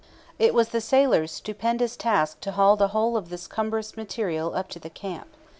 It was the sailors' stupendous task to haul the whole of this cumbrous material up to the camp.